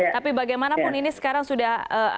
tapi bagaimanapun ini sekarang sudah